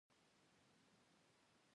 د پاړکیو استازي شامل وو.